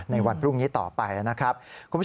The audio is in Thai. ในวันพรุ่งนี้ต่อไปนะครับ